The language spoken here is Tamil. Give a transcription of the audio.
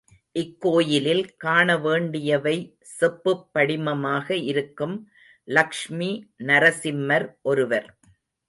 இக் கோயிலில் காண வேண்டியவை செப்புப் படிமமாக இருக்கும் லக்ஷ்மி நரசிம்மர் ஒருவர்.